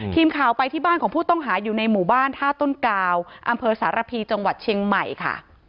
ทีมข่าวไปที่บ้านของผู้ต้องหาอยู่ในหมู่บ้านท่าต้นกาวอำเภอสารพีจังหวัดเชียงใหม่ค่ะ